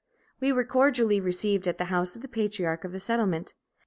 We were cordially received at the house of the patriarch of the settlement.